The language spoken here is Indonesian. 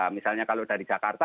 misalnya kalau dari jakarta